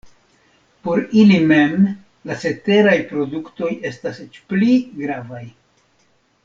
Por ili mem la ceteraj produktoj estas eĉ pli gravaj.